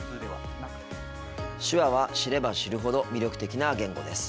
手話は知れば知るほど魅力的な言語です。